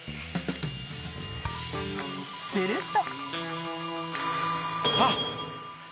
［すると］